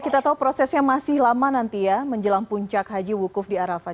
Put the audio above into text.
kita tahu prosesnya masih lama nanti ya menjelang puncak haji wukuf di arafah